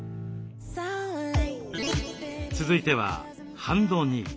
続いてはハンドニー。